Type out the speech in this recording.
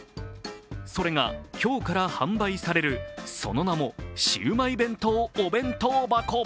それが、今日から販売されるその名もシウマイ弁当お弁当箱。